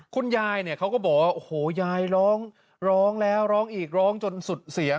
คุณยายเนี่ยเขาก็บอกว่าโอ้โหยายร้องแล้วร้องอีกร้องจนสุดเสียง